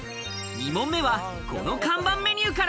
２問目は、この看板メニューから。